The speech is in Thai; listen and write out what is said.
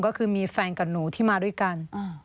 ก็คือมีแฟนกับหนูที่มาด้วยกัน